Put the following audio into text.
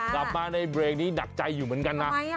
กลับมาในเบรกนี้หนักใจอยู่เหมือนกันนะ